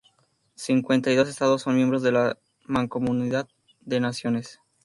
Cincuenta y dos estados son miembros de la Mancomunidad de Naciones.